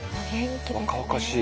若々しい。